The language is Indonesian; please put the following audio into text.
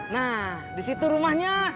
nah di situ rumahnya